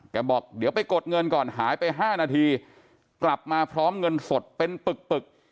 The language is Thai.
บอกเดี๋ยวไปกดเงินก่อนหายไป๕นาทีกลับมาพร้อมเงินสดเป็นปึกปึก